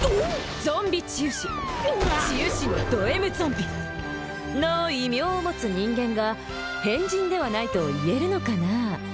ゾンビ治癒士治癒士のドＭゾンビの異名を持つ人間が変人ではないと言えるのかな？